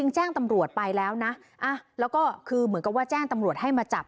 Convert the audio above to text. แจ้งตำรวจไปแล้วนะแล้วก็คือเหมือนกับว่าแจ้งตำรวจให้มาจับ